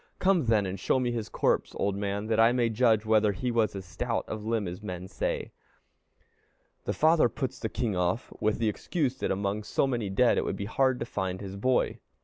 "Come, then, and show me his corpse, old man, that I may judge whether he was as stout of limb as men say." The father puts the king off with the excuse that among so many dead it would be hard to find his boy.